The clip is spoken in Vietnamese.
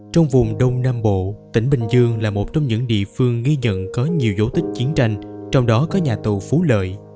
trong vùng đông nam bộ tỉnh bình dương là một trong những địa phương ghi nhận có nhiều dấu tích chiến tranh trong đó có nhà tù phú lợi